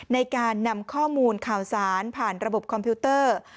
ในการนำข้อมูลข่าวสารผ่านระบบคอมพิวเตอร์